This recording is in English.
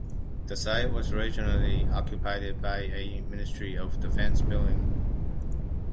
The site was originally occupied by a Ministry of Defense building.